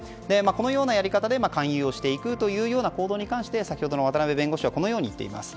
このようなやり方で勧誘をしてくという行動に関して先ほどの渡辺弁護士はこう言っています。